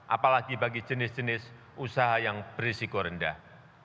apalagi bagi jenis jenis usaha yang berisiko rendah